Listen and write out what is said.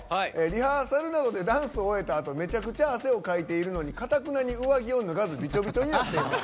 リハーサル後めちゃくちゃ汗をかいているのにかたくなに上着を脱がずびちょびちょになっています。